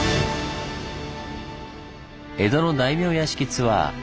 江戸の大名屋敷ツアー